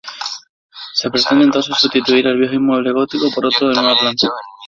Se pretende, entonces, sustituir el viejo inmueble gótico por otro de nueva planta.